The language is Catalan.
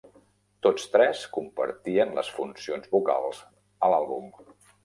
Tots tres compartien les funcions vocals a l'àlbum.